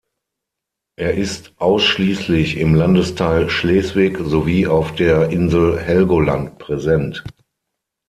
Er ist ausschließlich im Landesteil Schleswig sowie auf der Insel Helgoland präsent.